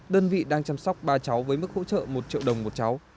đơn vị đang chăm sóc ba cháu với mức hỗ trợ một triệu đồng một cháu